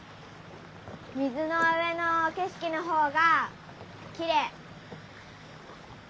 水の上の景色の方がきれい。